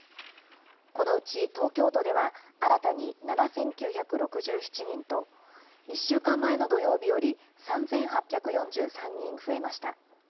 このうち東京都では、新たに７９６７人と、１週間前の土曜日より３８４３人増えました。